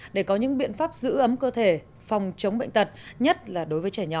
để có những biện pháp giữ ấm cơ thể phòng chống bệnh tật nhất là đối với trẻ nhỏ